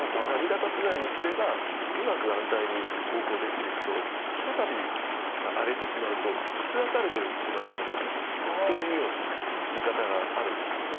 波立たせないようにすればうまく安泰に航行できるけどひとたび荒れてしまうと覆されてしまうこともあるというような言い方があるんです。